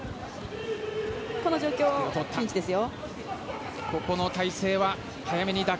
この状況、ピンチですよ。